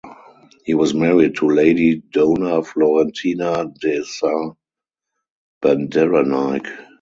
He was married to Lady Dona Florentina De Saa Bandaranaike.